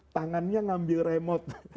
tangannya ngambil remote